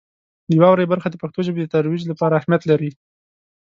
د واورئ برخه د پښتو ژبې د ترویج لپاره اهمیت لري.